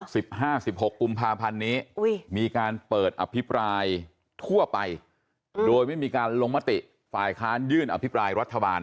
สิบห้าสิบหกกุมภาพันธ์นี้อุ้ยมีการเปิดอภิปรายทั่วไปโดยไม่มีการลงมติฝ่ายค้านยื่นอภิปรายรัฐบาล